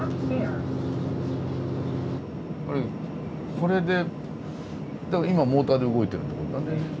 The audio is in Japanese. これでだから今モーターで動いてるってことだね